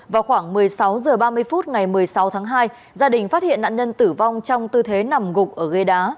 vào khoảng một mươi sáu h ba mươi phút ngày một mươi sáu tháng hai gia đình phát hiện nạn nhân tử vong trong tư thế nằm gục ở gây đá